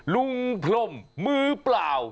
ลมพรมมือเปล่า